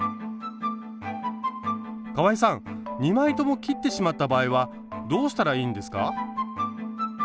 かわいさん２枚とも切ってしまった場合はどうしたらいいんですか？